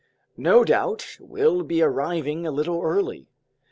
No doubt we'll be arriving a little early.